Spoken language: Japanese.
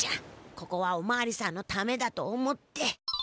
ここはおまわりさんのためだと思って。